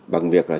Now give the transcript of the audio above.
bằng việc là